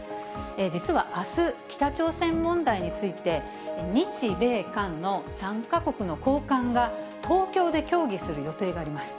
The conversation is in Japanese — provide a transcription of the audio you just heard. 実はあす、北朝鮮問題について、日米韓の３か国の高官が、東京で協議する予定があります。